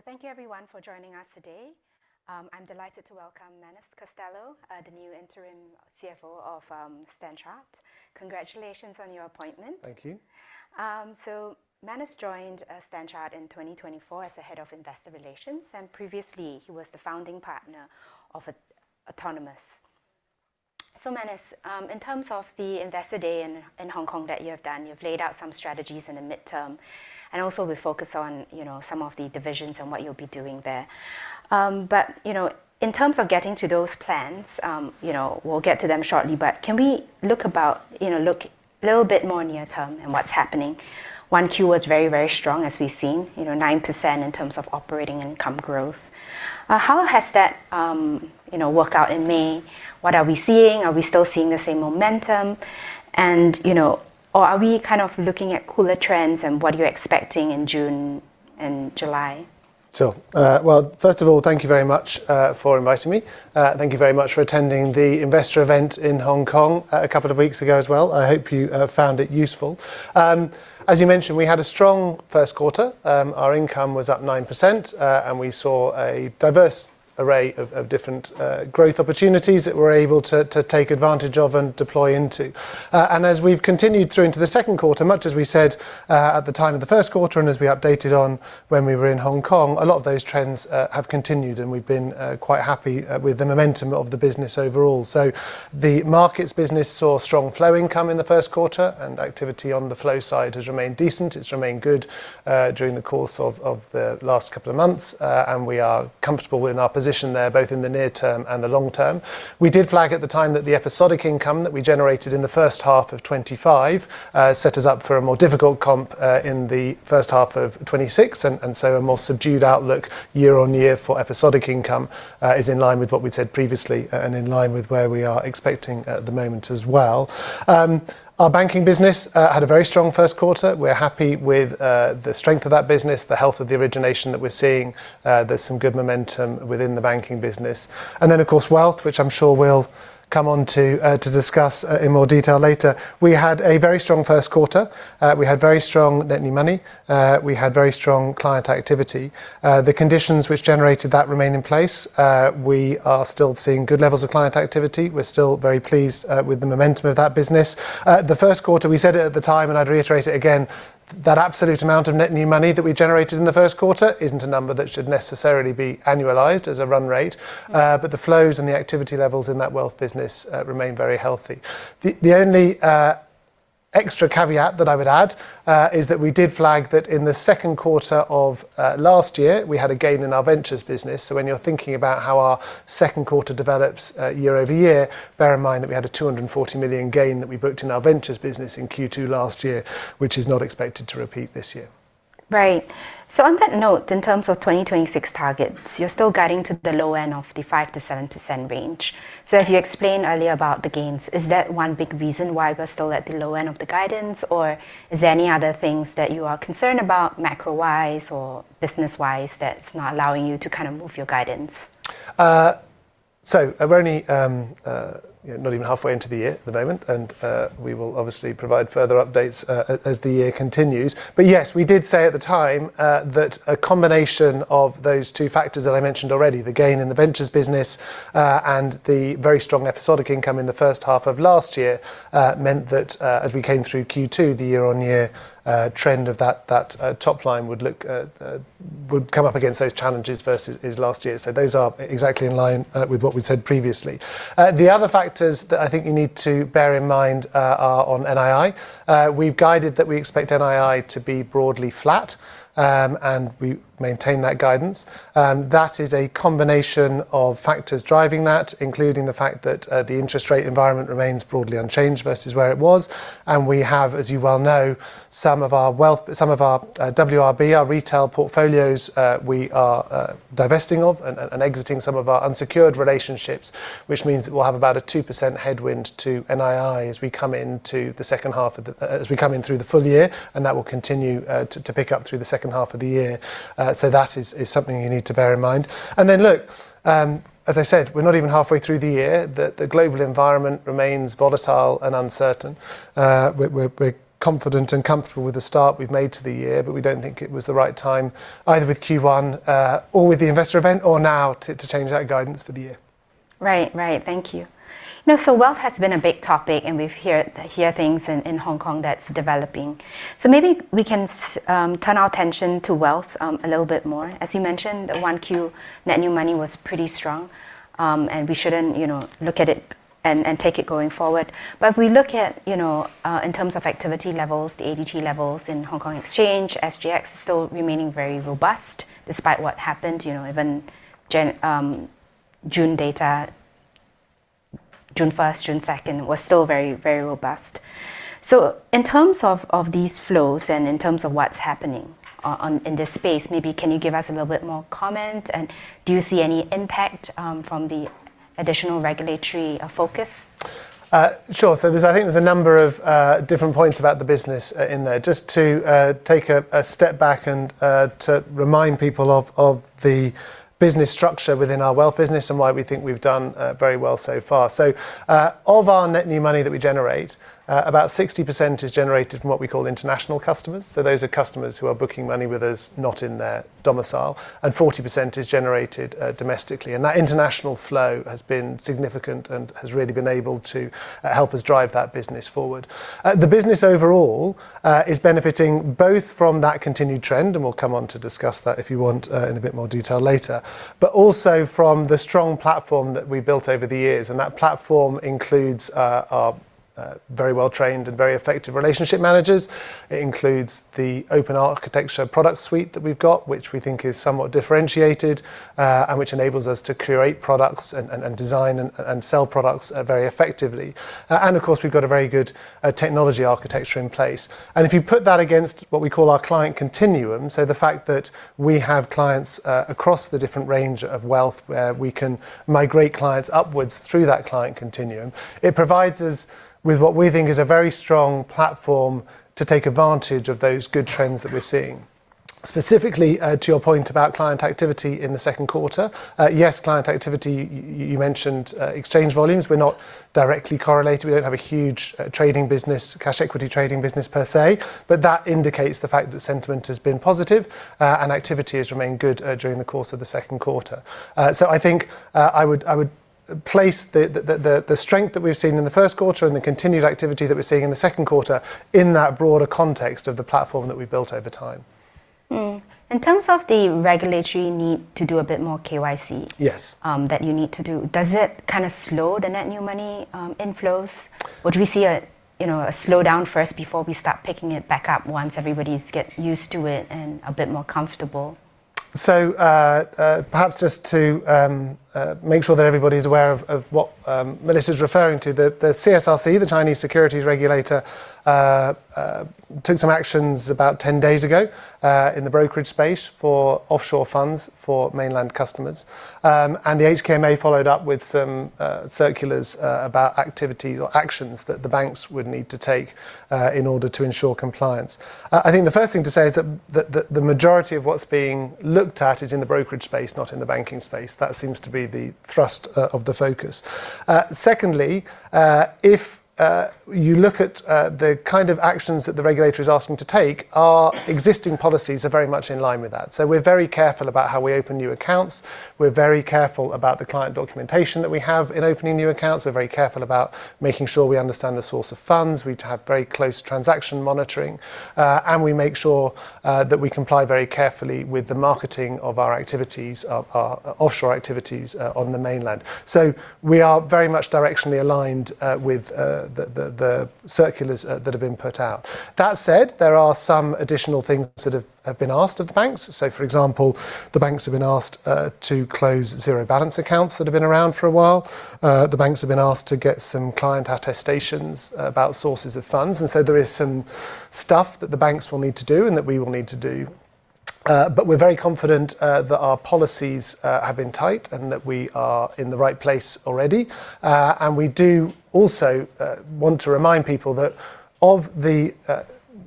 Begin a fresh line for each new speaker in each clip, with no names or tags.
Thank you everyone for joining us today. I'm delighted to welcome Manus Costello, the new Interim CFO of Standard Chartered. Congratulations on your appointment.
Thank you.
Manus joined Standard Chartered in 2024 as the head of investor relations, and previously he was the founding partner of Autonomous. Manus, in terms of the investor day in Hong Kong that you have done, you've laid out some strategies in the midterm, and also we focus on some of the divisions and what you'll be doing there. In terms of getting to those plans, we'll get to them shortly, but can we look a little bit more near term and what's happening? 1Q was very strong as we've seen, 9% in terms of operating income growth. How has that worked out in May? What are we seeing? Are we still seeing the same momentum or are we kind of looking at cooler trends? What are you expecting in June and July?
Sure. Well, first of all, thank you very much, for inviting me. Thank you very much for attending the investor event in Hong Kong a couple of weeks ago as well. I hope you found it useful. As you mentioned, we had a strong first quarter. Our income was up 9%, and we saw a diverse array of different growth opportunities that we're able to take advantage of and deploy into. As we've continued through into the second quarter, much as we said, at the time of the first quarter, and as we updated on when we were in Hong Kong, a lot of those trends have continued and we've been quite happy with the momentum of the business overall. The markets business saw strong flow income in the first quarter and activity on the flow side has remained decent. It's remained good during the course of the last couple of months. We are comfortable in our position there, both in the near term and the long term. We did flag at the time that the episodic income that we generated in the first half of 2025 set us up for a more difficult comp in the first half of 2026. A more subdued outlook year-on-year for episodic income is in line with what we'd said previously and in line with where we are expecting at the moment as well. Our banking business had a very strong first quarter. We're happy with the strength of that business, the health of the origination that we're seeing. There's some good momentum within the banking business. Of course, wealth, which I'm sure we'll come on to discuss in more detail later. We had a very strong first quarter. We had very strong net new money. We had very strong client activity. The conditions which generated that remain in place. We are still seeing good levels of client activity. We're still very pleased with the momentum of that business. The first quarter, we said it at the time, and I'd reiterate it again, that absolute amount of net new money that we generated in the first quarter isn't a number that should necessarily be annualized as a run rate. But the flows and the activity levels in that wealth business remain very healthy. The only extra caveat that I would add is that we did flag that in the second quarter of last year, we had a gain in our ventures business. When you're thinking about how our second quarter develops year-over-year, bear in mind that we had a $240 million gain that we booked in our ventures business in Q2 last year, which is not expected to repeat this year.
Right. On that note, in terms of 2026 targets, you're still guiding to the low end of the 5%-7% range. As you explained earlier about the gains, is that one big reason why we're still at the low end of the guidance, or is there any other things that you are concerned about macro-wise or business-wise that's not allowing you to kind of move your guidance?
We're only not even halfway into the year at the moment, and we will obviously provide further updates as the year continues. We did say at the time that a combination of those two factors that I mentioned already, the gain in the ventures business, and the very strong episodic income in the first half of last year, meant that as we came through Q2, the year-on-year trend of that top line would come up against those challenges versus last year. Those are exactly in line with what we said previously. The other factors that I think you need to bear in mind are on NII. We've guided that we expect NII to be broadly flat, and we maintain that guidance. That is a combination of factors driving that, including the fact that the interest rate environment remains broadly unchanged versus where it was. We have, as you well know, some of our WRB, our retail portfolios we are divesting of and exiting some of our unsecured relationships, which means that we'll have about a 2% headwind to NII as we come in through the full year, and that will continue to pick up through the second half of the year. That is something you need to bear in mind. Look, as I said, we're not even halfway through the year. The global environment remains volatile and uncertain. We're confident and comfortable with the start we've made to the year, but we don't think it was the right time either with Q1 or with the investor event or now to change that guidance for the year.
Right. Thank you. Wealth has been a big topic, and we've heard things in Hong Kong that's developing. Maybe we can turn our attention to wealth a little bit more. As you mentioned, the 1Q net new money was pretty strong. We shouldn't look at it and take it going forward. If we look at in terms of activity levels, the ADT levels in Hong Kong Exchange, SGX is still remaining very robust despite what happened. Even June data, June 1st, June 2nd, was still very robust. In terms of these flows and in terms of what's happening in this space, maybe can you give us a little bit more comment, and do you see any impact from the additional regulatory focus?
Sure. I think there's a number of different points about the business in there. Just to take a step back and to remind people of the business structure within our wealth business and why we think we've done very well so far. Of our net new money that we generate, about 60% is generated from what we call international customers. Those are customers who are booking money with us, not in their domicile, and 40% is generated domestically. That international flow has been significant and has really been able to help us drive that business forward. The business overall is benefiting both from that continued trend, and we'll come on to discuss that if you want in a bit more detail later. Also from the strong platform that we built over the years. That platform includes our very well-trained and very effective relationship managers. It includes the open architecture product suite that we've got, which we think is somewhat differentiated, and which enables us to curate products and design and sell products very effectively. Of course, we've got a very good technology architecture in place. If you put that against what we call our client continuum, so the fact that we have clients across the different range of wealth where we can migrate clients upwards through that client continuum, it provides us with what we think is a very strong platform to take advantage of those good trends that we're seeing. Specifically, to your point about client activity in the second quarter. Yes, client activity, you mentioned exchange volumes were not directly correlated. We don't have a huge trading business, cash equity trading business per se. That indicates the fact that sentiment has been positive, and activity has remained good during the course of the second quarter. I think I would place the strength that we've seen in the first quarter and the continued activity that we're seeing in the second quarter in that broader context of the platform that we've built over time.
In terms of the regulatory need to do a bit more KYC.
Yes
That you need to do, does it kind of slow the net new money inflows? Would we see a slowdown first before we start picking it back up once everybody gets used to it and a bit more comfortable?
Perhaps just to make sure that everybody's aware of what Melissa's referring to. The CSRC, the Chinese securities regulator, took some actions about 10 days ago, in the brokerage space for offshore funds for mainland customers. The HKMA followed up with some circulars about activity or actions that the banks would need to take in order to ensure compliance. I think the first thing to say is that the majority of what's being looked at is in the brokerage space, not in the banking space. That seems to be the thrust of the focus. Secondly, if you look at the kind of actions that the regulator is asking to take, our existing policies are very much in line with that. We're very careful about how we open new accounts. We're very careful about the client documentation that we have in opening new accounts. We're very careful about making sure we understand the source of funds. We have very close transaction monitoring, and we make sure that we comply very carefully with the marketing of our activities, our offshore activities on the mainland. We are very much directionally aligned with the circulars that have been put out. That said, there are some additional things that have been asked of the banks. For example, the banks have been asked to close zero balance accounts that have been around for a while. The banks have been asked to get some client attestations about sources of funds. There is some stuff that the banks will need to do and that we will need to do. We're very confident that our policies have been tight and that we are in the right place already. We do also want to remind people that of the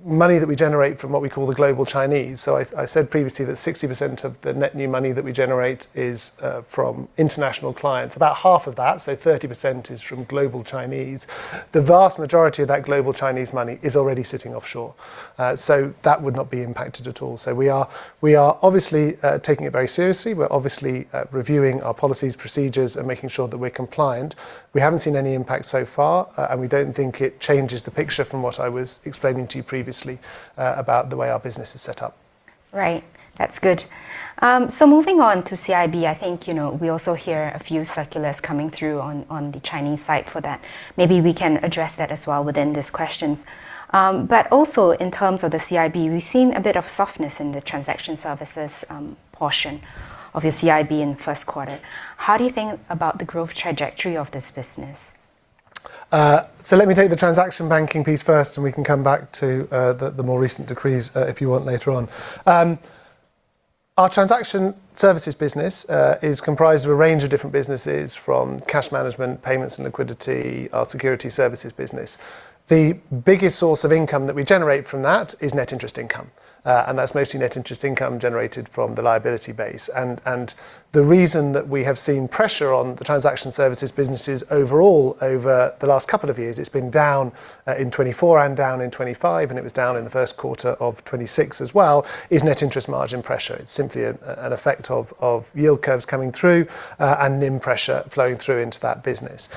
money that we generate from what we call the global Chinese, I said previously that 60% of the net new money that we generate is from international clients. About half of that, so 30%, is from global Chinese. The vast majority of that global Chinese money is already sitting offshore. That would not be impacted at all. We are obviously taking it very seriously. We're obviously reviewing our policies, procedures, and making sure that we're compliant. We haven't seen any impact so far, and we don't think it changes the picture from what I was explaining to you previously about the way our business is set up.
Right. That's good. Moving on to CIB, I think, we also hear a few circulars coming through on the Chinese side for that. Maybe we can address that as well within these questions. Also in terms of the CIB, we've seen a bit of softness in the transaction services portion of your CIB in the first quarter. How do you think about the growth trajectory of this business?
Let me take the transaction banking piece first, and we can come back to the more recent decrees if you want later on. Our transaction services business is comprised of a range of different businesses from cash management, payments and liquidity, our security services business. The biggest source of income that we generate from that is net interest income, and that's mostly net interest income generated from the liability base. The reason that we have seen pressure on the transaction services businesses overall over the last couple of years, it's been down in 2024 and down in 2025, and it was down in the first quarter of 2026 as well, is net interest margin pressure. It's simply an effect of yield curves coming through and NIM pressure flowing through into that business.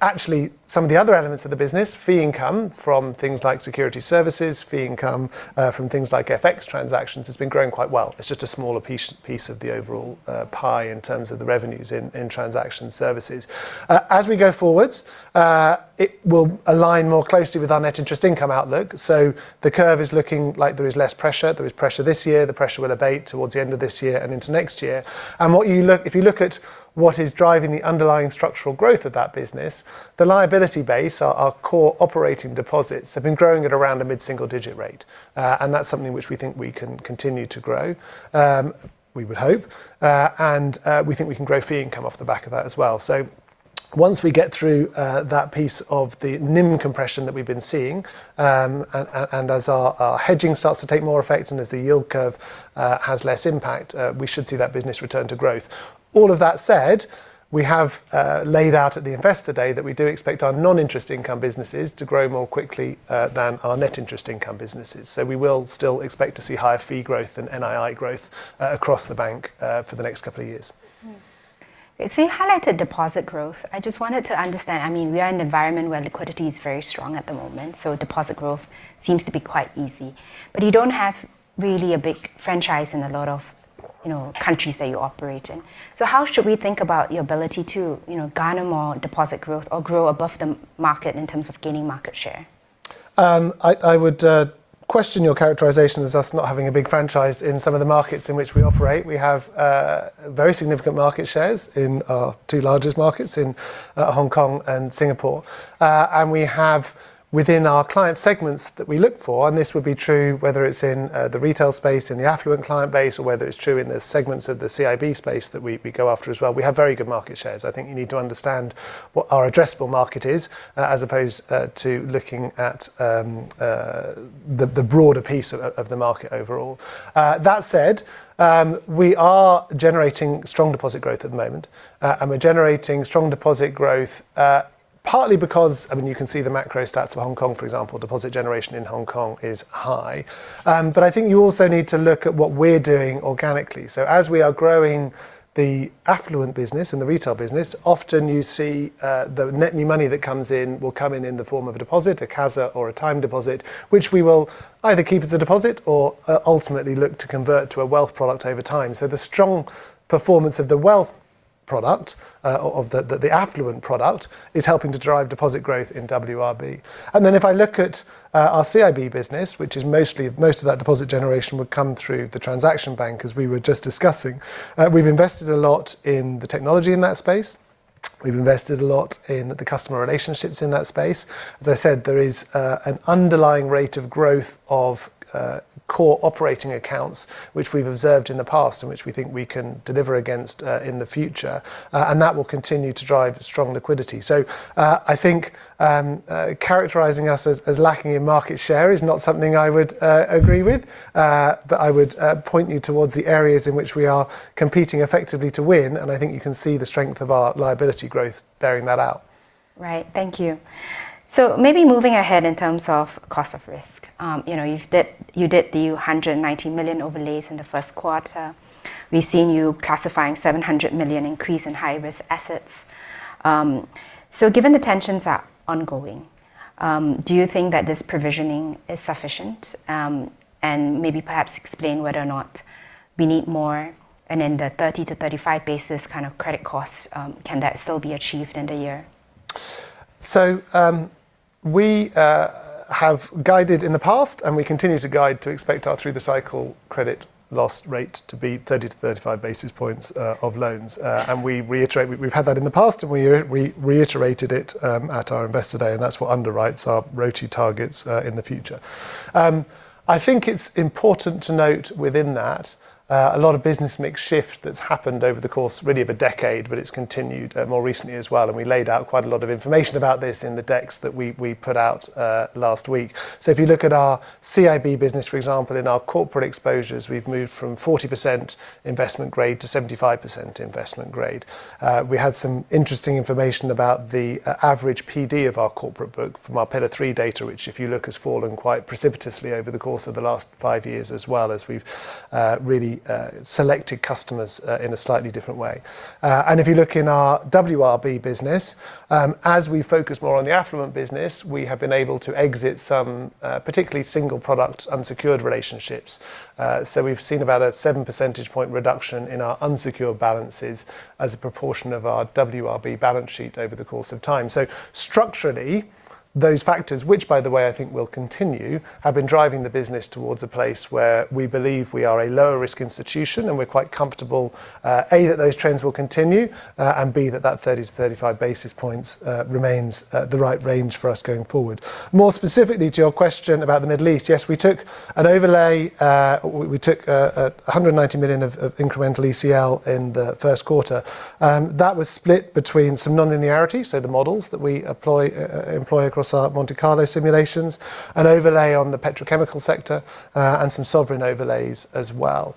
Actually, some of the other elements of the business, fee income from things like security services, fee income from things like FX transactions, has been growing quite well. It's just a smaller piece of the overall pie in terms of the revenues in transaction services. As we go forwards, it will align more closely with our net interest income outlook. The curve is looking like there is less pressure. There is pressure this year. The pressure will abate towards the end of this year and into next year. If you look at what is driving the underlying structural growth of that business, the liability base, our core operating deposits, have been growing at around a mid-single-digit rate. That's something which we think we can continue to grow, we would hope. We think we can grow fee income off the back of that as well. Once we get through that piece of the NIM compression that we've been seeing, and as our hedging starts to take more effect and as the yield curve has less impact, we should see that business return to growth. All of that said, we have laid out at the investor day that we do expect our non-interest income businesses to grow more quickly than our net interest income businesses. We will still expect to see higher fee growth and NII growth across the bank for the next couple of years.
You highlighted deposit growth. I just wanted to understand, we are in an environment where liquidity is very strong at the moment, so deposit growth seems to be quite easy. You don't have really a big franchise in a lot of countries that you operate in. How should we think about your ability to garner more deposit growth or grow above the market in terms of gaining market share?
I would question your characterization as us not having a big franchise in some of the markets in which we operate. We have very significant market shares in our two largest markets, in Hong Kong and Singapore. We have within our client segments that we look for, and this would be true whether it's in the retail space, in the affluent client base, or whether it's true in the segments of the CIB space that we go after as well. We have very good market shares. I think you need to understand what our addressable market is as opposed to looking at the broader piece of the market overall. That said, we are generating strong deposit growth at the moment. We're generating strong deposit growth partly because you can see the macro stats for Hong Kong, for example. Deposit generation in Hong Kong is high. I think you also need to look at what we're doing organically. As we are growing the affluent business and the retail business, often you see the net new money that comes in will come in the form of a deposit, a CASA or a time deposit, which we will either keep as a deposit or ultimately look to convert to a wealth product over time. The strong performance of the wealth product, of the affluent product, is helping to drive deposit growth in WRB. If I look at our CIB business, which is most of that deposit generation would come through the transaction bank as we were just discussing. We've invested a lot in the technology in that space. We've invested a lot in the customer relationships in that space. As I said, there is an underlying rate of growth of core operating accounts which we've observed in the past and which we think we can deliver against in the future, and that will continue to drive strong liquidity. I think characterizing us as lacking in market share is not something I would agree with. I would point you towards the areas in which we are competing effectively to win, and I think you can see the strength of our liability growth bearing that out.
Right. Thank you. Maybe moving ahead in terms of cost of risk. You did the $190 million overlays in the first quarter. We've seen you classifying $700 million increase in high-risk assets. Given the tensions are ongoing, do you think that this provisioning is sufficient? Maybe perhaps explain whether or not we need more, and then the 30-35 basis kind of credit costs, can that still be achieved in the year?
We have guided in the past and we continue to guide to expect our through the cycle credit loss rate to be 30-35 basis points of loans. We've had that in the past, and we reiterated it at our investor day, and that's what underwrites our ROTE targets in the future. I think it's important to note within that, a lot of business mix shift that's happened over the course really of a decade, but it's continued more recently as well, and we laid out quite a lot of information about this in the decks that we put out last week. If you look at our CIB business, for example, in our corporate exposures, we've moved from 40% investment grade-75% investment grade. We had some interesting information about the average PD of our corporate book from our Pillar 3 data, which if you look, has fallen quite precipitously over the course of the last five years as well as we've really selected customers in a slightly different way. If you look in our WRB business, as we focus more on the affluent business, we have been able to exit some particularly single product unsecured relationships. We've seen about a seven percentage point reduction in our unsecured balances as a proportion of our WRB balance sheet over the course of time. Structurally, those factors, which by the way I think will continue, have been driving the business towards a place where we believe we are a lower risk institution and we're quite comfortable, A, that those trends will continue, and B, that that 30-35 basis points remains the right range for us going forward. More specifically to your question about the Middle East, yes, we took an overlay. We took $190 million of incremental ECL in the first quarter. That was split between some nonlinearity, so the models that we employ across our Monte Carlo simulations, an overlay on the petrochemical sector, and some sovereign overlays as well.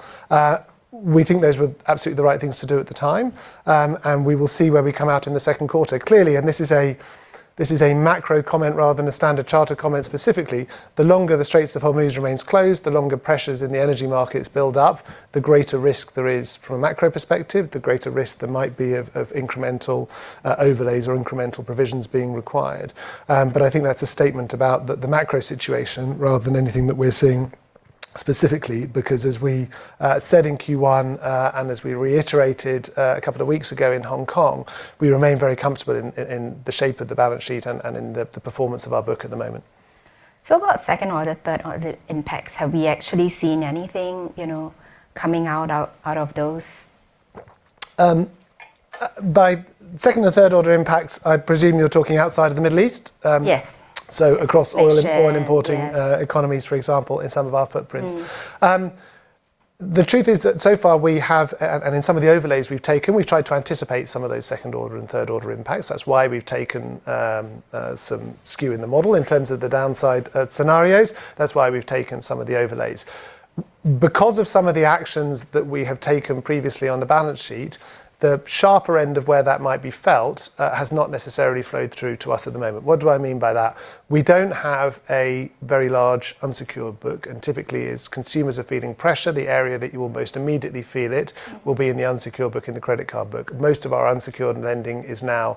We think those were absolutely the right things to do at the time, and we will see where we come out in the second quarter. Clearly, this is a macro comment rather than a Standard Chartered comment specifically. The longer the Straits of Hormuz remains closed, the longer pressures in the energy markets build up, the greater risk there is from a macro perspective, the greater risk there might be of incremental overlays or incremental provisions being required. I think that's a statement about the macro situation rather than anything that we're seeing specifically. As we said in Q1, and as we reiterated a couple of weeks ago in Hong Kong, we remain very comfortable in the shape of the balance sheet and in the performance of our book at the moment.
What second order, third order impacts, have we actually seen anything coming out of those?
By second or third order impacts, I presume you're talking outside of the Middle East?
Yes.
So across-
For sure, yeah.
Oil importing economies, for example, in some of our footprints. The truth is that so far we have, and in some of the overlays we've taken, we've tried to anticipate some of those second order and third order impacts. That's why we've taken some skew in the model in terms of the downside scenarios. That's why we've taken some of the overlays. Because of some of the actions that we have taken previously on the balance sheet, the sharper end of where that might be felt has not necessarily flowed through to us at the moment. What do I mean by that? We don't have a very large unsecured book, and typically, as consumers are feeling pressure, the area that you will most immediately feel it will be in the unsecured book and the credit card book. Most of our unsecured lending is now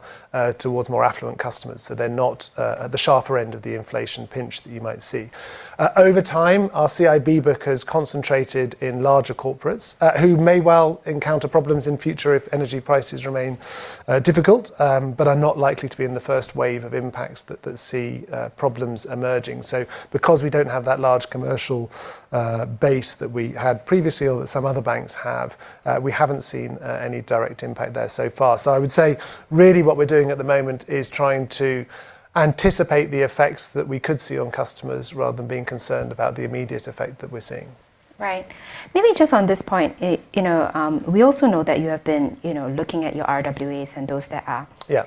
towards more affluent customers, they're not at the sharper end of the inflation pinch that you might see. Over time, our CIB book has concentrated in larger corporates, who may well encounter problems in future if energy prices remain difficult, but are not likely to be in the first wave of impacts that see problems emerging. Because we don't have that large commercial base that we had previously or that some other banks have, we haven't seen any direct impact there so far. I would say really what we're doing at the moment is trying to anticipate the effects that we could see on customers rather than being concerned about the immediate effect that we're seeing.
Right. Maybe just on this point. We also know that you have been looking at your RWAs.
Yeah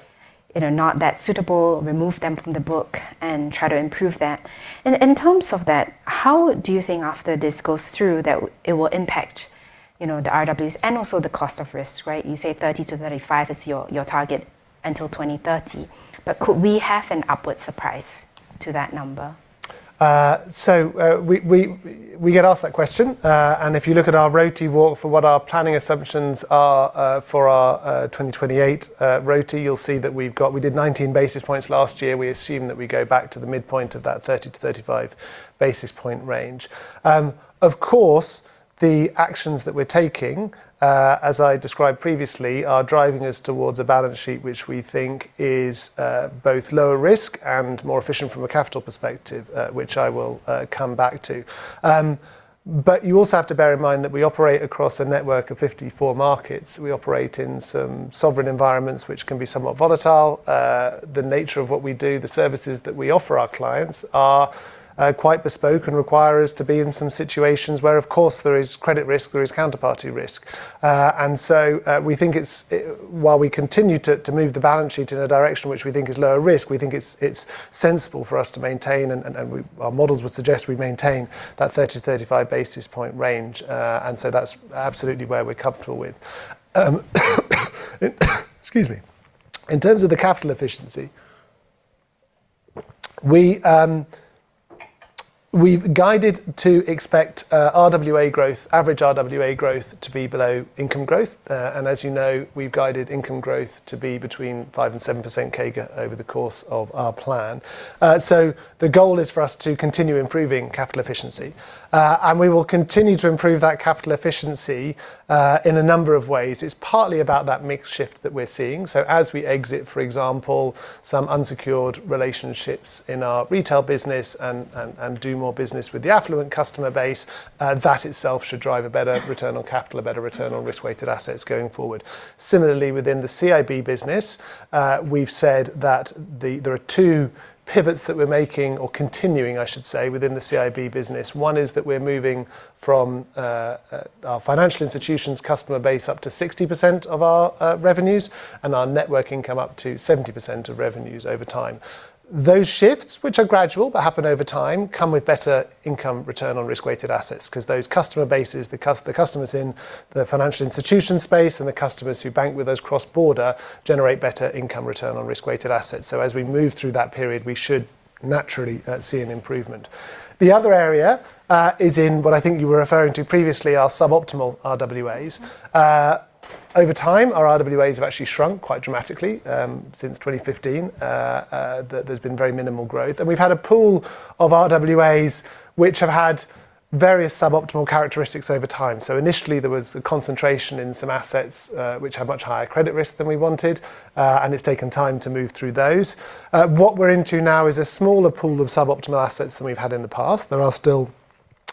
Not that suitable, remove them from the book and try to improve that. In terms of that, how do you think after this goes through that it will impact the RWAs and also the cost of risks, right? You say 30-35 is your target until 2030, but could we have an upward surprise to that number?
We get asked that question, and if you look at our ROTE walk for what our planning assumptions are for our 2028 ROTE, you'll see that we did 19 basis points last year. We assume that we go back to the midpoint of that 30-35 basis point range. Of course, the actions that we're taking, as I described previously, are driving us towards a balance sheet, which we think is both lower risk and more efficient from a capital perspective, which I will come back to. You also have to bear in mind that we operate across a network of 54 markets. We operate in some sovereign environments, which can be somewhat volatile. The nature of what we do, the services that we offer our clients are quite bespoke and require us to be in some situations where, of course, there is credit risk, there is counterparty risk. We think while we continue to move the balance sheet in a direction which we think is lower risk, we think it's sensible for us to maintain, and our models would suggest we maintain that 30-35 basis point range. That's absolutely where we're comfortable with. Excuse me. In terms of the capital efficiency, we've guided to expect average RWA growth to be below income growth. As you know, we've guided income growth to be between 5% and 7% CAGR over the course of our plan. The goal is for us to continue improving capital efficiency. We will continue to improve that capital efficiency in a number of ways. It's partly about that mix shift that we're seeing. As we exit, for example, some unsecured relationships in our retail business and do more business with the affluent customer base, that itself should drive a better return on capital, a better return on risk-weighted assets going forward. Similarly, within the CIB business, we've said that there are two pivots that we're making or continuing, I should say, within the CIB business. One is that we're moving from our financial institutions customer base up to 60% of our revenues and our net working income up to 70% of revenues over time. Those shifts, which are gradual, but happen over time, come with better income return on risk-weighted assets because those customer bases, the customers in the financial institution space and the customers who bank with us cross border, generate better income return on risk-weighted assets. As we move through that period, we should naturally see an improvement. The other area is in what I think you were referring to previously, our suboptimal RWAs. Over time, our RWAs have actually shrunk quite dramatically. Since 2015, there's been very minimal growth. We've had a pool of RWAs which have had various suboptimal characteristics over time. Initially there was a concentration in some assets, which had much higher credit risk than we wanted, and it's taken time to move through those. What we're into now is a smaller pool of suboptimal assets than we've had in the past. There are still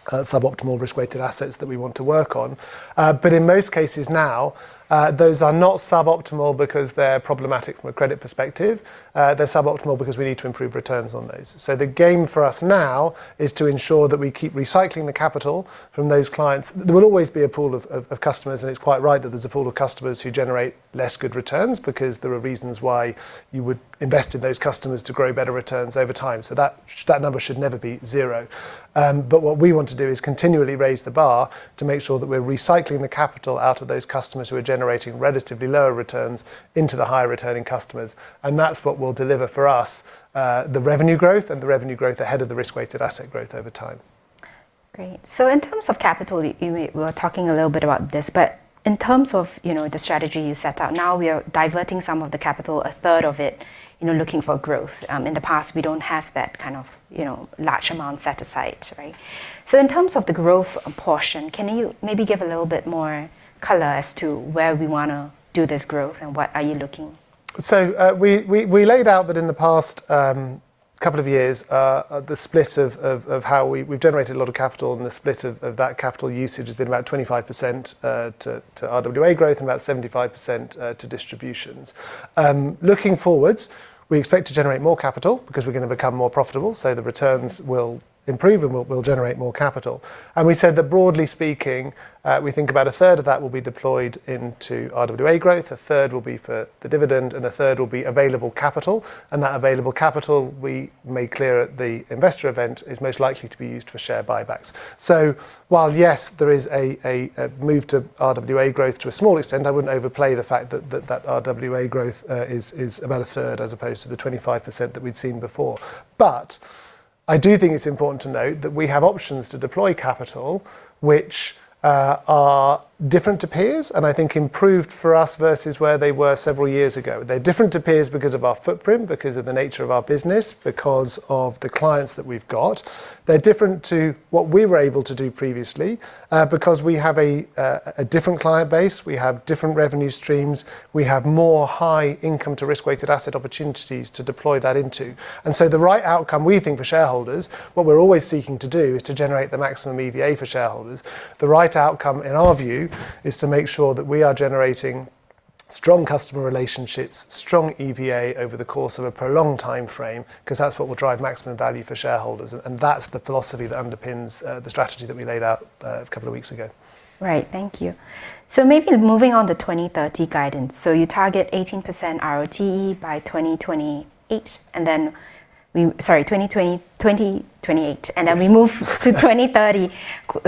suboptimal risk-weighted assets that we want to work on. In most cases now, those are not suboptimal because they're problematic from a credit perspective. They're suboptimal because we need to improve returns on those. The game for us now is to ensure that we keep recycling the capital from those clients. There will always be a pool of customers, and it's quite right that there's a pool of customers who generate less good returns because there are reasons why you would invest in those customers to grow better returns over time. That number should never be zero. What we want to do is continually raise the bar to make sure that we're recycling the capital out of those customers who are generating relatively lower returns into the higher returning customers. That's what will deliver for us the revenue growth and the revenue growth ahead of the risk-weighted asset growth over time.
Great. In terms of capital, we were talking a little bit about this, but in terms of the strategy you set out now, we are diverting some of the capital, a third of it, looking for growth. In the past, we don't have that kind of large amount set aside, right? In terms of the growth portion, can you maybe give a little bit more color as to where we want to do this growth and what are you looking?
We laid out that in the past couple of years, the split of how we've generated a lot of capital and the split of that capital usage has been about 25% to RWA growth and about 75% to distributions. Looking forwards, we expect to generate more capital because we're going to become more profitable, so the returns will improve and we'll generate more capital. We said that broadly speaking, we think about a third of that will be deployed into RWA growth, a third will be for the dividend, and a third will be available capital. That available capital, we made clear at the investor event, is most likely to be used for share buybacks. While yes, there is a move to RWA growth to a small extent, I wouldn't overplay the fact that that RWA growth is about a third as opposed to the 25% that we'd seen before. I do think it's important to note that we have options to deploy capital, which are different to peers, and I think improved for us versus where they were several years ago. They're different to peers because of our footprint, because of the nature of our business, because of the clients that we've got. They're different to what we were able to do previously, because we have a different client base, we have different revenue streams, we have more high income to risk-weighted asset opportunities to deploy that into. The right outcome we think for shareholders, what we're always seeking to do is to generate the maximum EVA for shareholders. The right outcome in our view is to make sure that we are generating strong customer relationships, strong EVA over the course of a prolonged timeframe, because that's what will drive maximum value for shareholders. That's the philosophy that underpins the strategy that we laid out a couple of weeks ago.
Right. Thank you. Maybe moving on to 2030 guidance. You target 18% ROTE by 2028. Sorry, 2028, we move to 2030.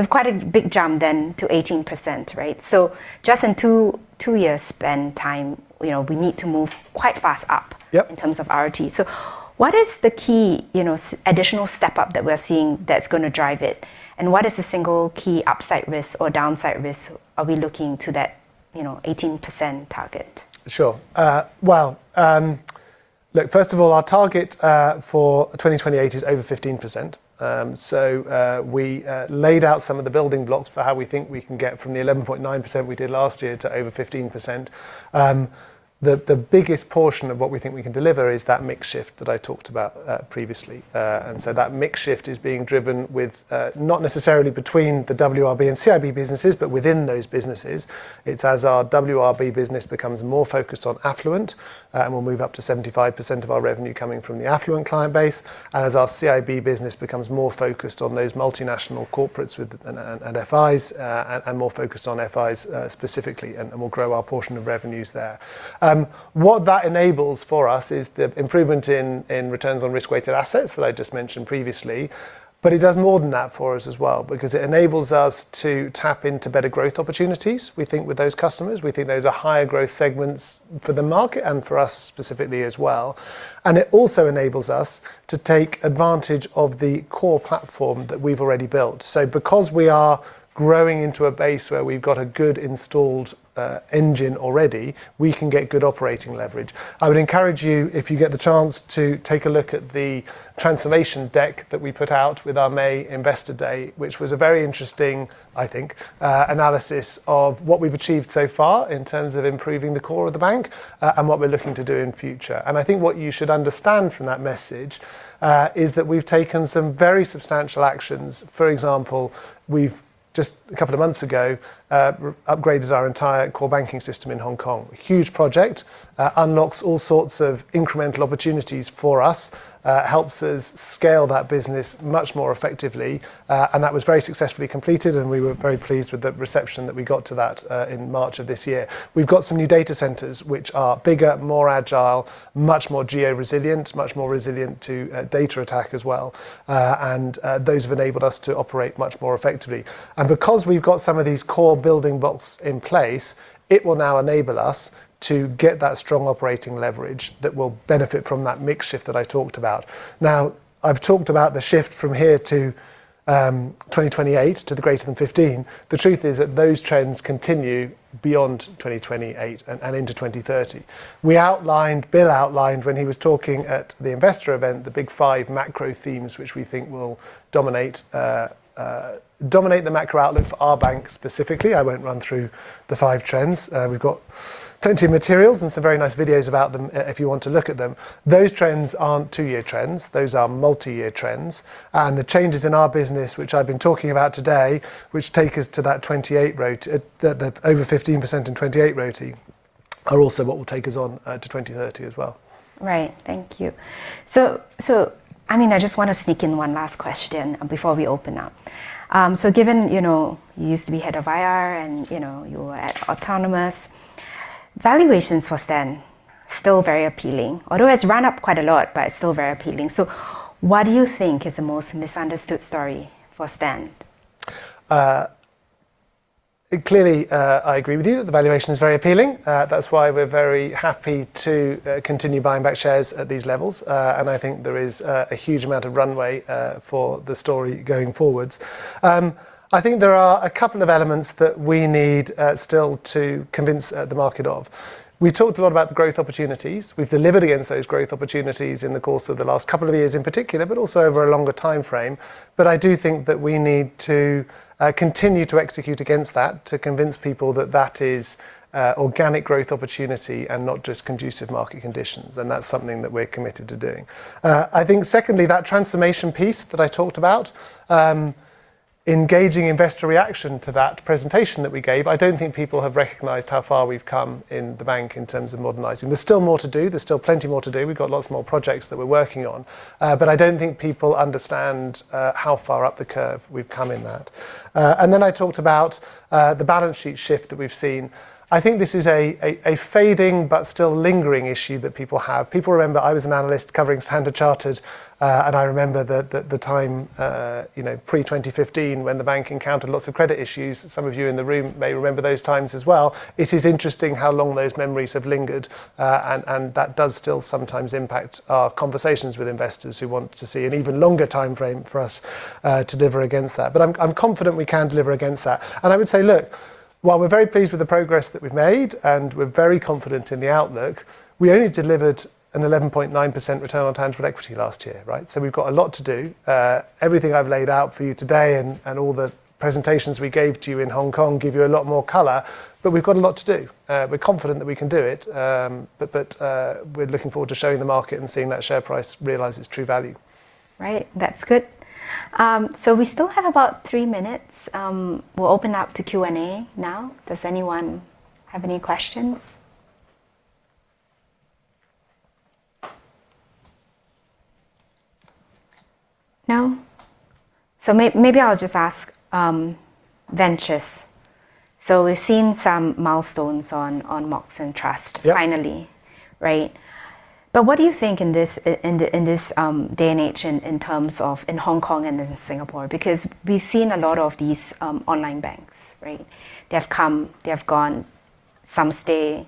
Quite a big jump to 18%, right? Just in two years' spend time, we need to move quite fast.
Yep
In terms of ROTE. What is the key additional step up that we're seeing that's going to drive it? What is the single key upside risk or downside risk are we looking to that 18% target?
Sure. Well, look, first of all, our target for 2028 is over 15%, so we laid out some of the building blocks for how we think we can get from the 11.9% we did last year to over 15%. The biggest portion of what we think we can deliver is that mix shift that I talked about previously. That mix shift is being driven with, not necessarily between the WRB and CIB businesses, but within those businesses. It's as our WRB business becomes more focused on affluent, and we'll move up to 75% of our revenue coming from the affluent client base. As our CIB business becomes more focused on those multinational corporates and FIs, and more focused on FIs specifically, and we'll grow our portion of revenues there. What that enables for us is the improvement in returns on risk-weighted assets that I just mentioned previously, but it does more than that for us as well because it enables us to tap into better growth opportunities, we think, with those customers. We think those are higher growth segments for the market and for us specifically as well. It also enables us to take advantage of the core platform that we've already built. Because we are growing into a base where we've got a good installed engine already, we can get good operating leverage. I would encourage you, if you get the chance, to take a look at the transformation deck that we put out with our May Investor Day, which was a very interesting, I think, analysis of what we've achieved so far in terms of improving the core of the bank, what we're looking to do in future. I think what you should understand from that message is that we've taken some very substantial actions. For example, we've just a couple of months ago, upgraded our entire core banking system in Hong Kong. Huge project. It unlocks all sorts of incremental opportunities for us, helps us scale that business much more effectively, and that was very successfully completed and we were very pleased with the reception that we got to that in March of this year. We've got some new data centers which are bigger, more agile, much more geo-resilient, much more resilient to data attack as well. Those have enabled us to operate much more effectively. Because we've got some of these core building blocks in place, it will now enable us to get that strong operating leverage that will benefit from that mix shift that I talked about. I've talked about the shift from here to 2028 to the greater than 15. The truth is that those trends continue beyond 2028 and into 2030. Bill outlined when he was talking at the investor event, the big five macro themes which we think will dominate the macro outlook for our bank specifically. I won't run through the five trends. We've got plenty of materials and some very nice videos about them if you want to look at them. Those trends aren't two-year trends. Those are multi-year trends, and the changes in our business which I've been talking about today, which take us to that over 15% in 2028 ROTE are also what will take us on to 2030 as well.
Right. Thank you. I just want to sneak in one last question before we open up. Given you used to be head of IR and you were at Autonomous, valuations for Stan, still very appealing, although it’s run up quite a lot, but it’s still very appealing. What do you think is the most misunderstood story for Stan?
Clearly, I agree with you that the valuation is very appealing. That's why we're very happy to continue buying back shares at these levels. I think there is a huge amount of runway for the story going forwards. I think there are a couple of elements that we need still to convince the market of. We talked a lot about the growth opportunities. We've delivered against those growth opportunities in the course of the last couple of years in particular, but also over a longer timeframe. I do think that we need to continue to execute against that to convince people that that is organic growth opportunity and not just conducive market conditions, and that's something that we're committed to doing. I think secondly, that transformation piece that I talked about, engaging investor reaction to that presentation that we gave. I don't think people have recognized how far we've come in the bank in terms of modernizing. There's still more to do. There's still plenty more to do. We've got lots more projects that we're working on. I don't think people understand how far up the curve we've come in that. Then I talked about the balance sheet shift that we've seen. I think this is a fading but still lingering issue that people have. People remember I was an analyst covering Standard Chartered, and I remember the time pre 2015 when the bank encountered lots of credit issues. Some of you in the room may remember those times as well. It is interesting how long those memories have lingered. That does still sometimes impact our conversations with investors who want to see an even longer timeframe for us to deliver against that. I'm confident we can deliver against that. I would say, look, while we're very pleased with the progress that we've made, and we're very confident in the outlook, we only delivered an 11.9% return on tangible equity last year, right? We've got a lot to do. Everything I've laid out for you today and all the presentations we gave to you in Hong Kong give you a lot more color, but we've got a lot to do. We're confident that we can do it, but we are looking forward to showing the market and seeing that share price realize its true value.
Right. That's good. We still have about three minutes. We'll open up to Q&A now. Does anyone have any questions? No? Maybe I'll just ask Manus. We've seen some milestones on Mox and Trust.
Yep.
Finally. Right? What do you think in this day and age in terms of in Hong Kong and in Singapore? We've seen a lot of these online banks, right? They have come, they have gone, some stay,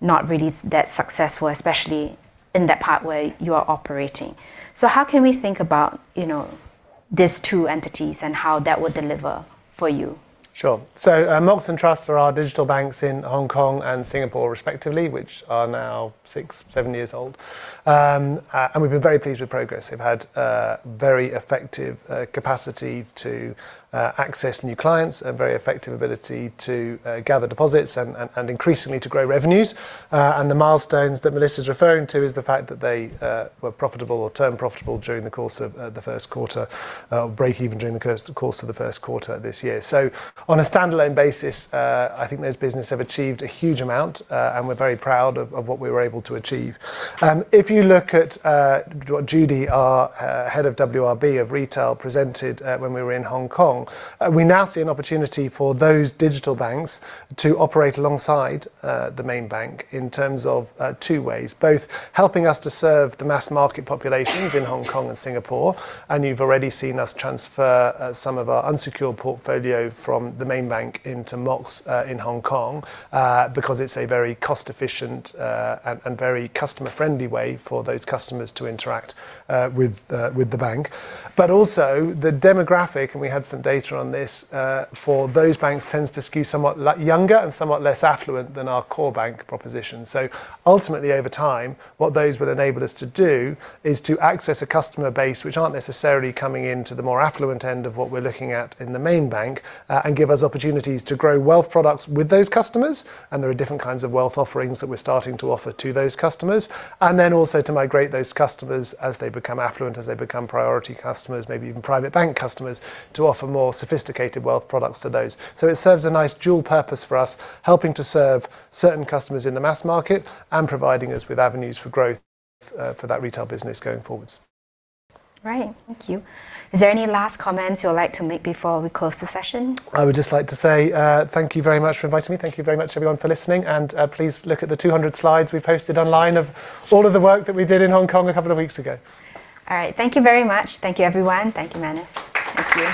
not really that successful, especially in that part where you are operating. How can we think about these two entities and how that would deliver for you?
Sure. Mox and Trust are our digital banks in Hong Kong and Singapore respectively, which are now six, seven years old. We've been very pleased with progress. They've had very effective capacity to access new clients and very effective ability to gather deposits and increasingly to grow revenues. The milestones that Melissa's referring to is the fact that they were profitable or turned profitable during the course of the first quarter, or break even during the course of the first quarter this year. On a standalone basis, I think those businesses have achieved a huge amount, and we're very proud of what we were able to achieve. If you look at what Judy, our head of WRB of retail, presented when we were in Hong Kong, we now see an opportunity for those digital banks to operate alongside the main bank in terms of two ways, both helping us to serve the mass market populations in Hong Kong and Singapore. You've already seen us transfer some of our unsecured portfolio from the main bank into Mox in Hong Kong, because it's a very cost efficient and very customer friendly way for those customers to interact with the bank. Also the demographic, and we had some data on this, for those banks tends to skew somewhat younger and somewhat less affluent than our core bank proposition. Ultimately, over time, what those will enable us to do is to access a customer base, which aren't necessarily coming into the more affluent end of what we're looking at in the main bank, and give us opportunities to grow wealth products with those customers. There are different kinds of wealth offerings that we're starting to offer to those customers. Then also to migrate those customers as they become affluent, as they become priority customers, maybe even private bank customers, to offer more sophisticated wealth products to those. It serves a nice dual purpose for us, helping to serve certain customers in the mass market and providing us with avenues for growth for that retail business going forwards.
Right. Thank you. Is there any last comments you would like to make before we close the session?
I would just like to say, thank you very much for inviting me. Thank you very much everyone for listening. Please look at the 200 slides we posted online of all of the work that we did in Hong Kong a couple of weeks ago.
All right. Thank you very much. Thank you, everyone. Thank you, Manus. Thank you.